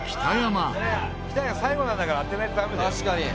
北やん最後なんだから当てないとダメだよ。